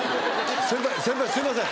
先輩すいません。